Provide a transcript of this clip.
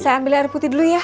saya ambil air putih dulu ya